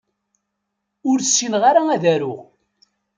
Ur ssineɣ ara ad aruɣ.